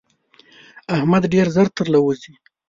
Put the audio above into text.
احمد ډېر ژر تر له وزي.